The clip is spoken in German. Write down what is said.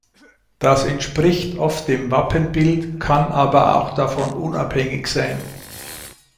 Das entspricht oft dem Wappenbild, kann aber auch davon unabhängig sein.